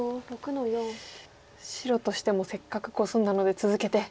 白としてもせっかくコスんだので続けて。